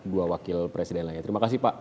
dua wakil presiden lainnya terima kasih pak